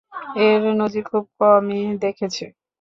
এর নজীর খুব কমই দেখেছে।